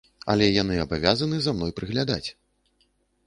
Але яны абавязаны за мной прыглядаць.